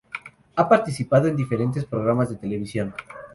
Ha participado en diferentes programas de televisión.